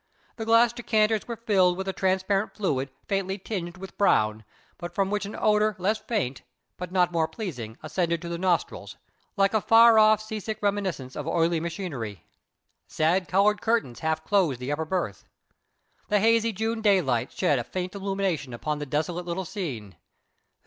The glass decanters were filled with a transparent liquid faintly tinged with brown, but from which an odour less faint, but not more pleasing, ascended to the nostrils, like a far off sea sick reminiscence of oily machinery. Sad coloured curtains half closed the upper berth. The hazy June daylight shed a faint illumination upon the desolate little scene.